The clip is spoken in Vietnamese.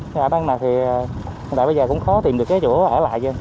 thì ở đây thì bây giờ cũng khó tìm được cái chỗ ở lại